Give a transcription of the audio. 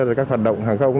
rồi các hoạt động hàng không